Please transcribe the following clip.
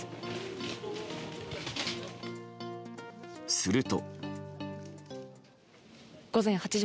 すると。